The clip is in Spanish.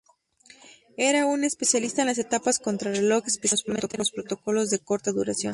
Era un especialista en las etapas contrarreloj, especialmente en los prólogos de corta duración.